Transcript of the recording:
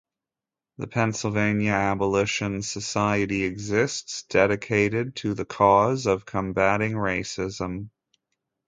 The Pennsylvania Abolition Society still exists, dedicated to the cause of combating racism.